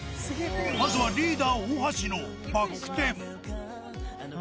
まずはリーダー、大橋のバック転。